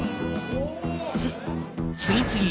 ・フッ。